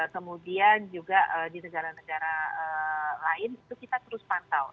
kemudian juga di negara negara lain itu kita terus pantau